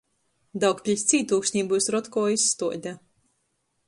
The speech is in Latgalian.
Daugpiļs cītūksnī byus Rotko izstuode.